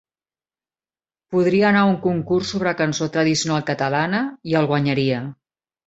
Podria anar a un concurs sobre cançó tradicional catalana i el guanyaria.